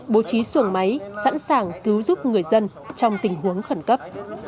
bố trí xuồng máy sẵn sàng cứu giúp người dân trong tình huống khẩn cấp